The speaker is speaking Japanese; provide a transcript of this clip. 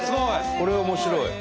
これ面白い。